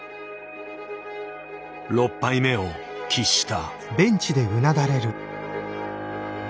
６敗目を喫した。